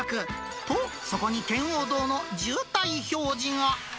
と、そこに圏央道の渋滞標示が。